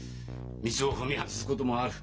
道を踏み外すこともある。